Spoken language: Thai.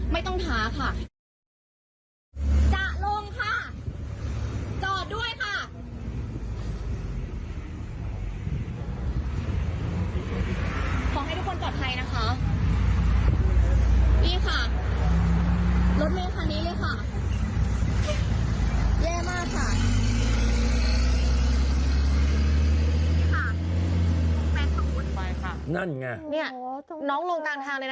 มันชนตรงไหน